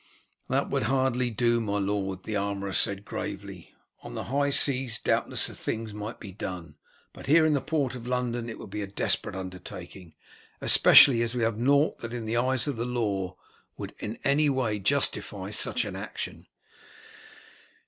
"That would hardly do, my lord," the armourer said gravely. "On the high sea doubtless the thing might be done, but here in the port of London it would be a desperate undertaking, especially as we have nought that in the eyes of the law would in any way justify such action."